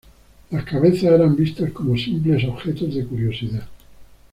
Las cabezas eran vistas como simples objetos de curiosidad.